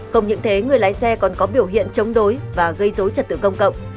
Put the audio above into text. không những thế người lái xe còn có biểu hiện chống đối và gây dối trật tự công cộng